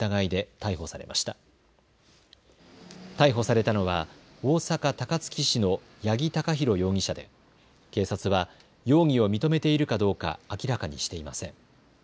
逮捕されたのは大阪高槻市の八木貴寛容疑者で警察は容疑を認めているかどうか明らかにしていません。